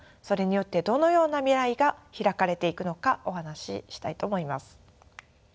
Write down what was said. それによってどのような未来が拓かれていくのかお話ししたいと思います。